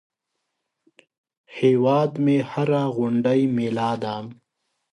هیواد مې هره غونډۍ مېله ده